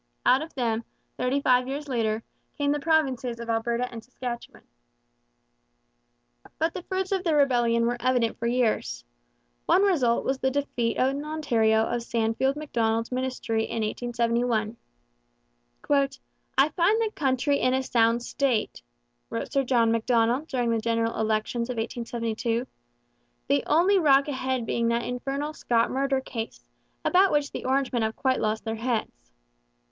Out of them, thirty five years later, came the provinces of Alberta and Saskatchewan. But the fruits of the rebellion were evident for years. One result was the defeat in Ontario of Sandfield Macdonald's ministry in 1871. 'I find the country in a sound state,' wrote Sir John Macdonald during the general elections of 1872, 'the only rock ahead being that infernal Scott murder case, about which the Orangemen have quite lost their heads.'